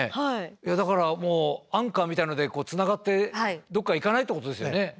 いやだからアンカーみたいなのでつながってどっか行かないってことですよね。